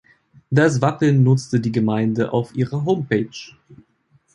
Das Wappen nutzte die Gemeinde auf ihrer Homepage.